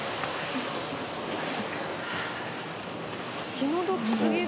「気の毒すぎる」